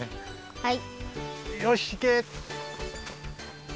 はい。